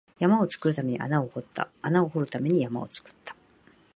山を作るために穴を掘った、穴を掘るために山を作った